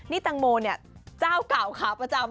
นี่แตงโมเนี่ยเจ้าเก่าขาวประจำ